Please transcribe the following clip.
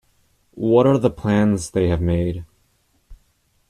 What are the plans they have made?